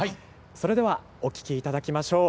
それではお聴きいただきましょう。